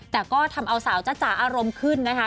แต่ก็ทำเอาสาวจ๊ะจ๋าอารมณ์ขึ้นนะคะ